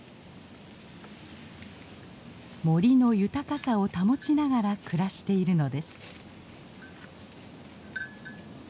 森の豊かさを保ちながら暮らしているのです。